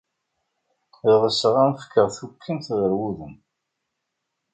Ɣseɣ ad am-fkeɣ tukkimt ɣer wudem.